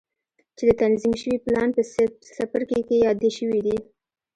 چې د تنظيم شوي پلان په څپرکي کې يادې شوې دي.